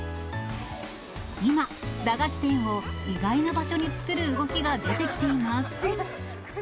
今、駄菓子店を意外な場所に作る動きが出てきています。